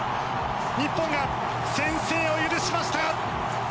日本が先制を許しました。